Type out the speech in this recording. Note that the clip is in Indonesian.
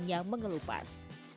hingga kulit buahnya mengelupas